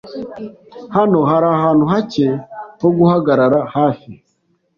Hano hari ahantu hake ho guhagarara hafi .